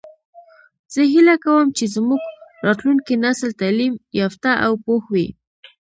زه هیله کوم چې زموږ راتلونکی نسل تعلیم یافته او پوه وي